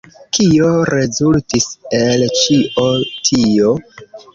Kio rezultis el ĉio tio?